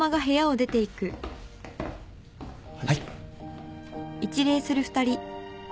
はい。